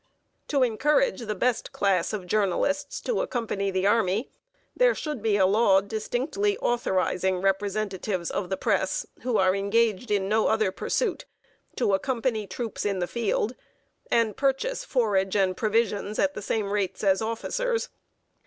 To encourage the best class of journalists to accompany the army, there should be a law distinctly authorizing representatives of the Press, who are engaged in no other pursuit, to accompany troops in the field, and purchase forage and provisions at the same rates as officers.